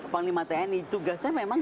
panglima tni tugasnya memang